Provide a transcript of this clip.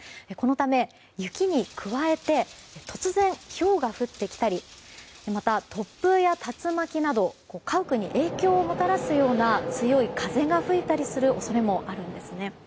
このため、雪に加えて突然、ひょうが降ってきたりまた、突風や竜巻など家屋に影響をもたらすような強い風が吹いたりする恐れもあるんです。